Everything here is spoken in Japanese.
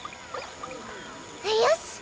よし！